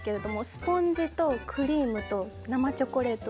スポンジとクリームと生チョコレート